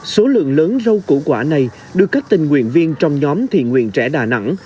số lượng lớn rau củ quả này được các tình nguyện viên trong nhóm thiện nguyện trẻ đà nẵng